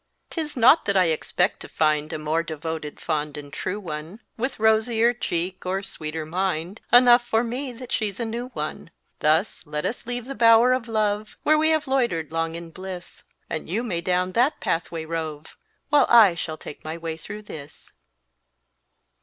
'Tis not that I expect to find A more devoted, fond and true one, With rosier cheek or sweeter mind Enough for me that she's a new one. Thus let us leave the bower of love, Where we have loitered long in bliss; And you may down that pathway rove, While I shall take my way through this.